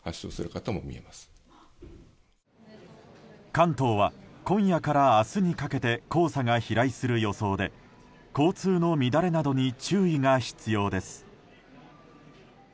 関東は今夜から明日にかけて黄砂が飛来する予想で交通の乱れなどに注意が必要です。